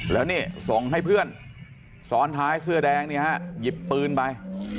แล้วนี่ส่งให้เพื่อนซ้อนท้ายเสื้อแดงเนี่ยฮะหยิบปืนไป